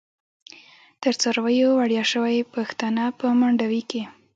تر څارویو وړیاشوی، پیښتنه په منډوی کی